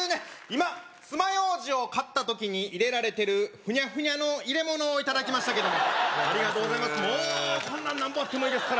今つまようじを買った時に入れられてるフニャフニャの入れ物をいただきましたけどもありがとうございます